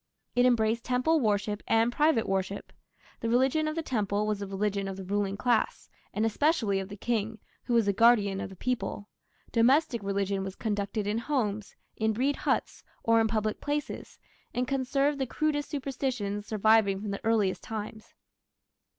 It embraced temple worship and private worship. The religion of the temple was the religion of the ruling class, and especially of the king, who was the guardian of the people. Domestic religion was conducted in homes, in reed huts, or in public places, and conserved the crudest superstitions surviving from the earliest times.